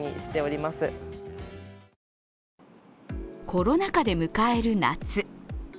コロナ禍で迎える夏。